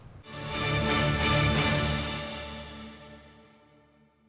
đảng và nhà nước